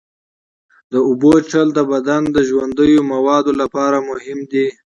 د اوبو څښل د بدن د ژوندیو موادو لپاره مهم دي.